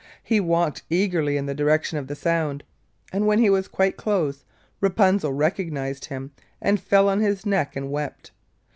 He walked eagerly in the direction of the sound, and when he was quite close, Rapunzel recognised him and fell on his neck and wept.